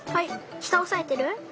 したおさえてる？